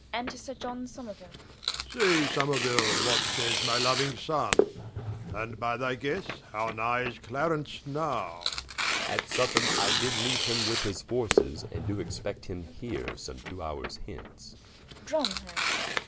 Enter Someruile. War. Say Someruile, what sayes my louing Sonne? And by thy guesse, how nigh is Clarence now? Someru. At Southam I did leaue him with his forces, And doe expect him here some two howres hence War.